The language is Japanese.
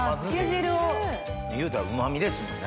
言うたらうま味ですもんね。